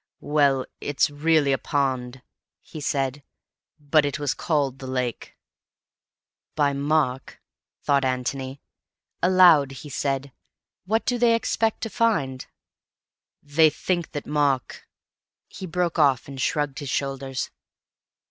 "Well, it's really a pond," he said, "but it was called 'the lake.'" "By Mark," thought Antony. Aloud he said, "What do they expect to find?" "They think that Mark—" He broke off and shrugged his shoulders.